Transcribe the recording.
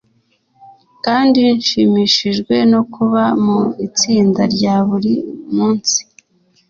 kandi nshimishijwe no kuba mu itsinda rya buri munsi